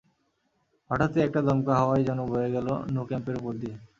হঠাৎই একটা দমকা হাওয়াই যেন বয়ে গেল ন্যু ক্যাম্পের ওপর দিয়ে।